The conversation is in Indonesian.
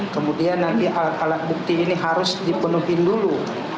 kemudian nanti alat alat bukti ini harus dipenuhi dulu